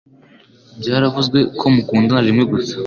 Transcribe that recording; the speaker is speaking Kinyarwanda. Byaravuzwe ko mukundana rimwe gusa,